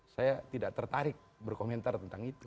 saya tidak tertarik berkomentar tentang itu